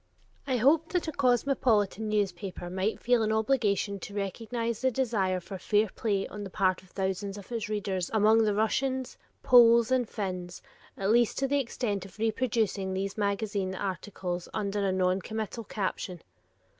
I hoped that a cosmopolitan newspaper might feel an obligation to recognize the desire for fair play on the part of thousands of its readers among the Russians, Poles, and Finns, at least to the extent of reproducing these magazine articles under a noncommittal caption.